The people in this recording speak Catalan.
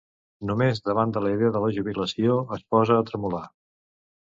Només davant de la idea de la jubilació es posa a tremolar.